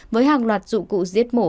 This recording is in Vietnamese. với hàng loạt dụ cụ giết mổ